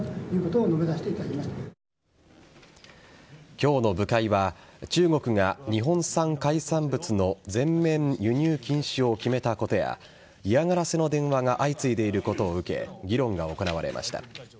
今日の部会は中国が日本産海産物の全面輸入禁止を決めたことや嫌がらせの電話が相次いでいることを受け議論が行われました。